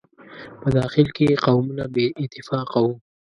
په داخل کې یې قومونه بې اتفاقه وو.